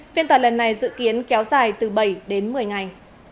phiên tòa lần này dự kiến kéo dài từ bảy đến một mươi ngày